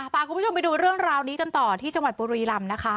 พาคุณผู้ชมไปดูเรื่องราวนี้กันต่อที่จังหวัดบุรีรำนะคะ